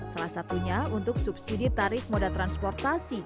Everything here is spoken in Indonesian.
salah satunya untuk subsidi tarif moda transportasi